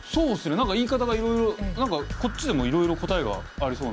何か言い方がいろいろ何かこっちでもいろいろ答えがありそうな。